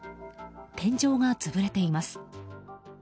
天井が潰れています。